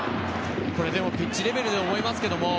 ピッチレベルで思いますけど。